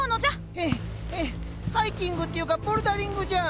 へえへえハイキングっていうかボルダリングじゃん！